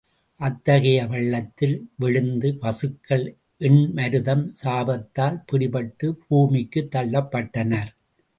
அத்தகைய பள்ளத்தில் விழுந்த வசுக்கள் எண்மரும் சாபத்தால் பிடிபட்டு பூமிக்குத் தள்ளப்பட்டனர்.